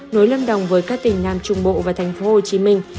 nối lâm đồng với các tỉnh nam trung bộ và thành phố hồ chí minh